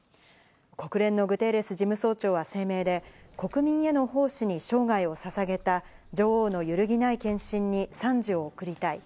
国連のグテーレス事務総長は声明で、国民への奉仕に生涯をささげた女王の揺るぎない献身に賛辞を送りたい。